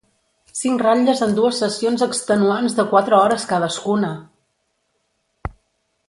Cinc ratlles en dues sessions extenuants de quatre hores cadascuna!